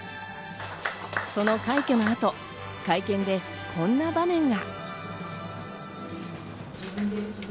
その快挙の後、会見でこんな場面が。